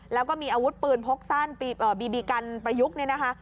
แล้วก็มีอาวุธปืนพกสั้นบีบีกันประยุกต์เนี่ยนะคะ